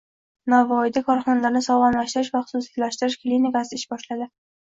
Navoiyda korxonalarni sog‘lomlashtirish va xususiylashtirish klinikasi ish boshladi